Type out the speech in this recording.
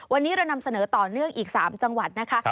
วันนี้เรานำเสนอต่อเนื่องอีก๓จังหวัดนะคะ